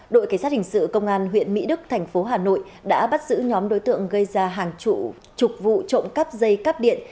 đội cảnh sát hình sự công an huyện mỹ đức thành phố hà nội đã bắt giữ nhóm đối tượng gây ra hàng chục vụ trộm cắp dây cắp điện